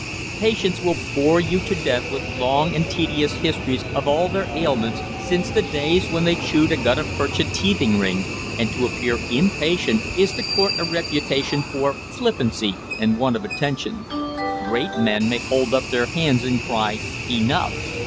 Patients will bore you to death with long and tedious histories of all their ailments since the days when they chewed a gutta percha teething ring, and to appear impatient is to court a reputation for flippancy and want of attention. Great men may hold up their hands and cry "Enough!"